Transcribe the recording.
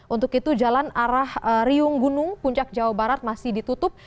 untuk itu jalan arah riung gunung puncak jawa barat masih ditutup